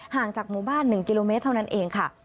ห่างจากหมู่บ้าน๑กิโลเมตรเท่านั้นเองค่ะ